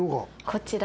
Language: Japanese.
こちら。